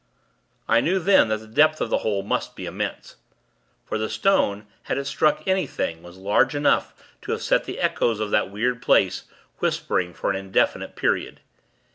I knew, then, that the depth of the hole must be immense; for the stone, had it struck anything, was large enough to have set the echoes of that weird place, whispering for an indefinite period.